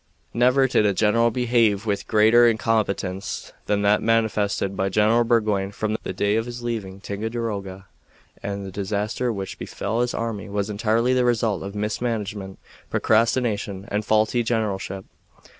Never did a general behave with greater incompetence than that manifested by General Burgoyne from the day of his leaving Ticonderoga, and the disaster which befell his army was entirely the result of mismanagement, procrastination, and faulty generalship.